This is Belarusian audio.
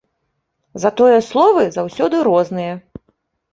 Затое словы заўсёды розныя.